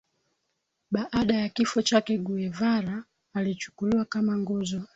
Baada ya kifo chake Guevara alichukuliwa kama nguzo